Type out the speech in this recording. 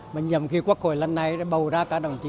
mình nhầm khi quốc hội lần này bầu ra các đồng chí